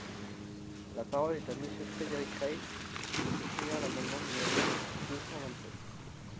La parole est à Monsieur Frédéric Reiss, pour soutenir l’amendement numéro deux cent vingt-sept.